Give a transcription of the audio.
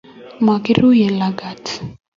makiruiye lagat